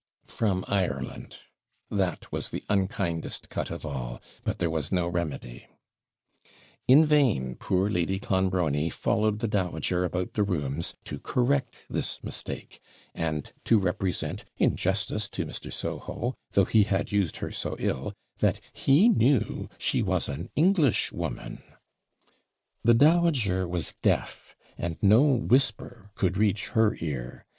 From Ireland! that was the unkindest cut of all but there was no remedy. In vain poor Lady Clonbrony followed the dowager about the rooms, to correct this mistake, and to represent, in justice to Mr. Soho, though he had used her so ill, that he knew she was an Englishwoman, The dowager was deaf, and no whisper could reach her ear.